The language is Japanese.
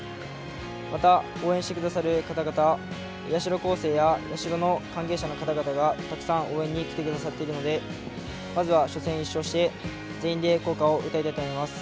また、応援してくださる方々社高生や社の関係者の方々がたくさん応援に来てくださっているのでまずは初戦、１勝して全員で校歌を歌いたいと思います。